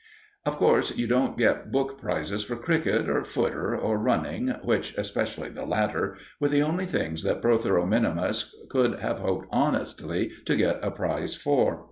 Of course, you don't get book prizes for cricket, or footer, or running, which especially the latter were the only things that Protheroe min. could have hoped honestly to get a prize for.